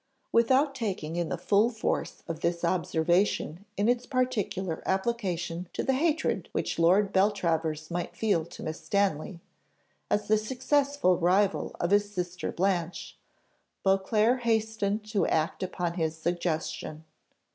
Without taking in the full force of this observation in its particular application to the hatred which Lord Beltravers might feel to Miss Stanley, as the successful rival of his sister Blanche, Beauclerc hastened to act upon his suggestion.